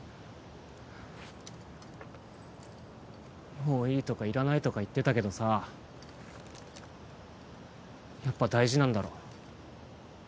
もういいとかいらないとか言ってたけどさやっぱ大事なんだろ？